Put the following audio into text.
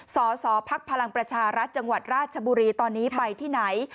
สอสอภักษ์พลังประชาราชจังหวัดราชชาบุรีตอนนี้ไปที่ไหน